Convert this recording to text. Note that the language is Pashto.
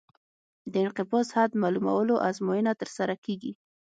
د انقباض حد معلومولو ازموینه ترسره کیږي